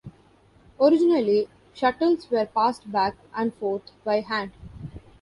Originally shuttles were passed back and forth by hand.